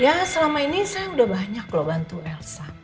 ya selama ini saya udah banyak loh bantu elsa